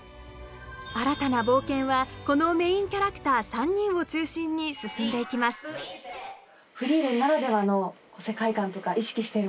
新たな冒険はこのメインキャラクター３人を中心に進んでいきますみたいな。